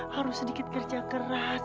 harus sedikit kerja keras